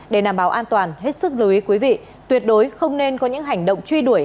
để đảm bảo an toàn hết sức lưu ý quý vị tuyệt đối không nên có những hành động truy đuổi